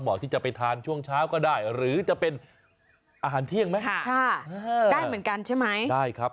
ที่จะไปทานช่วงเช้าก็ได้หรือจะเป็นอาหารเที่ยงไหมค่ะได้เหมือนกันใช่ไหมได้ครับ